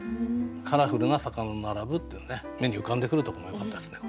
「カラフルな魚の並ぶ」っていう目に浮かんでくるとこもよかったですね